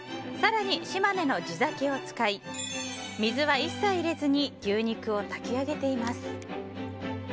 更に島根の地酒を使い水は一切入れずに牛肉を炊き上げています。